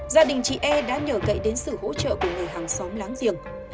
gia đình chị e đã nhờ cậy đến sự hỗ trợ của người hàng xóm láng giềng